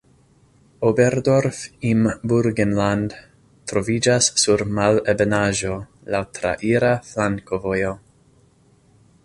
Oberdorf im Burgenland troviĝas sur malebenaĵo, laŭ traira flankovojo.